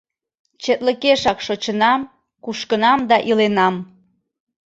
Четлыкешак шочынам, кушкынам да иленам.